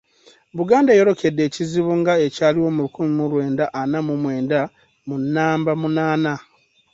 Buganda eyolekedde ekizibu nga ekyaliwo mu lukumi mu lwenda ana mu mwenda ku naamba munaana!